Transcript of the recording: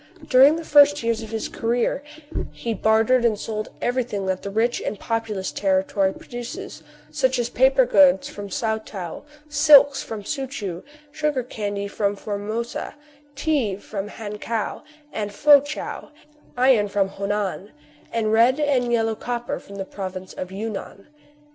During the first years of his career, he bartered and sold every thing that the rich and populous territory produces ; such as paper goods from Swatow, silks from Soo Choo, sugar candy from Formosa, tea from Han kow and Fou chow, iron from Ho nan, and red and yellow copper from the province of Yunnan.